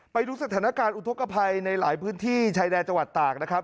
ไปดูสถานการณ์อุทธกภัยในหลายพื้นที่ชายแดนจังหวัดตากนะครับ